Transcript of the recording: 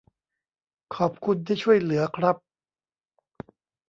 ขอบคุณที่ช่วยเหลือครับ